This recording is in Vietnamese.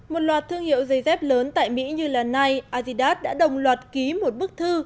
một loạt thương hiệu giấy dép lớn tại mỹ như là nike adidas đã đồng loạt ký một bức thư